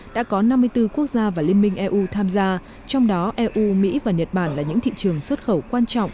đã có năm mươi bốn quốc gia và liên minh eu tham gia trong đó eu mỹ và nhật bản là những thị trường xuất khẩu quan trọng